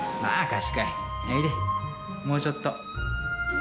まあ賢いおいでもうちょっと。